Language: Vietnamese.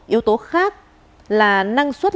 yếu tố khác là năng suất